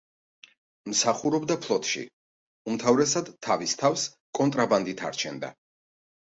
მსახურობდა ფლოტში, უმთავრესად თავის თავს კონტრაბანდით არჩენდა.